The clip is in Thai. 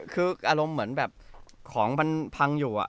คืออารมณ์เหมือนแบบของมันพังอยู่